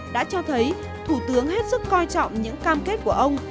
đã cho thấy thủ tướng hết sức coi trọng những cam kết của ông